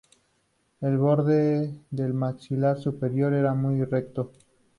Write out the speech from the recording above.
El borde del maxilar superior era muy recto.